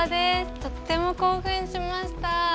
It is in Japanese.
とっても興奮しました。